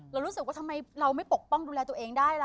รู้สึกว่าทำไมเราไม่ปกป้องดูแลตัวเองได้ล่ะ